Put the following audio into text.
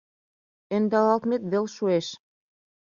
Ӧндалалмет вел шуэш;